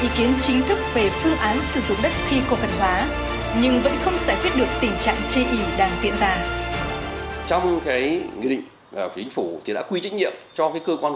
tình trạng chê ỉ đang diễn ra trong cái nghị định của chính phủ thì đã quy trách nhiệm cho cơ quan